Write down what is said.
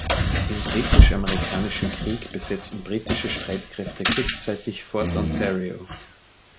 Im Britisch-Amerikanischen Krieg besetzten britische Streitkräfte kurzzeitig Fort Ontario.